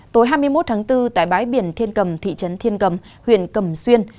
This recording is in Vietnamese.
tối hai mươi một tháng bốn tại bãi biển thiên cầm thị trấn thiên cầm huyện cầm xuyên